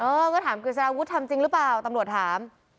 ก็ถามกฤษฎาวุฒิทำจริงหรือเปล่าตำรวจถาม